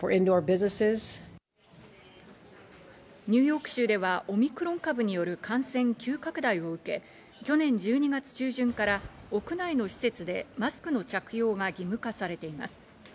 ニューヨーク州ではオミクロン株による感染急拡大を受け、去年１２月中旬から屋内の施設でマスクの着用が義務化されています。